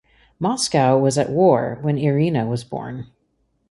Moscow was at war when Irina was born.